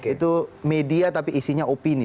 itu media tapi isinya opini